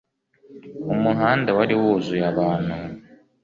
umuhanda wari wuzuye abantu